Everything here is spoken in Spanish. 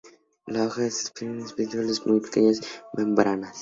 La hoja es peciolada, con estípulas muy pequeñas y membranosas.